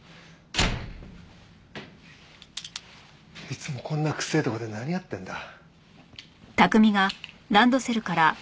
いつもこんな臭えとこで何やってんだ？